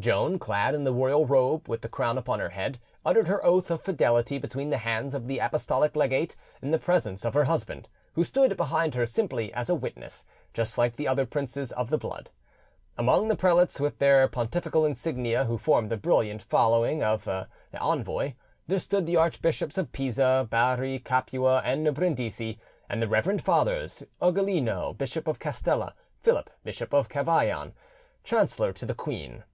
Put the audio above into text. Joan, clad in the royal robe, with the crown upon her head, uttered her oath of fidelity between the hands of the apostolic legate in the presence of her husband, who stood behind her simply as a witness, just like the other princes of the blood. Among the prelates with their pontifical insignia who formed the brilliant following of the envoy, there stood the Archbishops of Pisa, Bari, Capua, and Brindisi, and the reverend fathers Ugolino, Bishop of Castella, and Philip, Bishop of Cavaillon, chancellor to the queen.